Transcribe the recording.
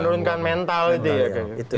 menurunkan mental itu ya